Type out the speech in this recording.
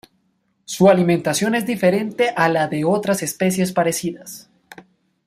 Su alimentación es diferente a la de otras especies parecidas.